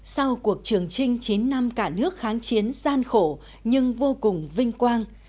sau cuộc trường trinh chín năm cả nước kháng chiến gian khổ nhưng vô cùng vinh quang